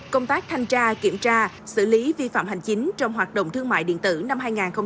công tác thanh tra kiểm tra xử lý vi phạm hành chính trong hoạt động thương mại điện tử năm hai nghìn hai mươi ba